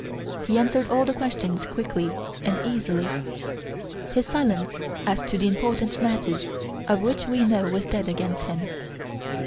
He answered all the questions quickly and easily. His silence as to the important matters of which we know was dead against him.